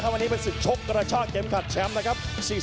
วันนี้เป็นศึกชกกระชากเข็มขัดแชมป์นะครับ